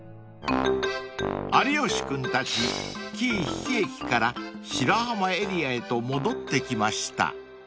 ［有吉君たち紀伊日置駅から白浜エリアへと戻ってきました］